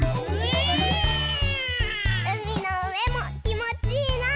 うみのうえもきもちいいな！